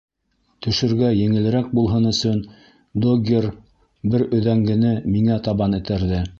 Төшөргә еңелерәк булһын өсөн Доггер бер өҙәңгене миңә табан этәрҙе.